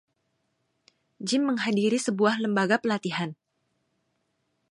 Jim menghadiri sebuah lembaga pelatihan.